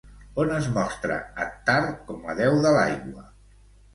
On es mostra Athtar com a déu de l'aigua?